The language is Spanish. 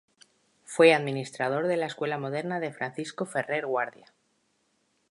Fue administrador de la Escuela Moderna de Francisco Ferrer Guardia.